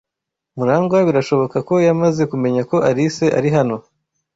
Murangwa birashoboka ko yamaze kumenya ko Alice ari hano.